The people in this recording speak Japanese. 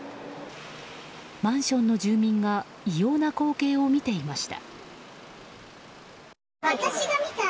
マンションの住民が異様な光景を見ていました。